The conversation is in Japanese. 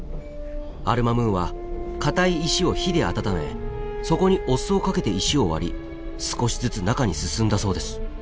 アル・マムーンは硬い石を火で温めそこにお酢をかけて石を割り少しずつ中に進んだそうです。